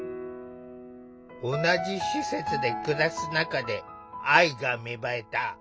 同じ施設で暮らす中で愛が芽生えた。